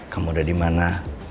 kamu udah dimana